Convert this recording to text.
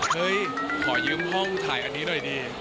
เฮ้ยขอยืมห้องถ่ายอันนี้หน่อยดี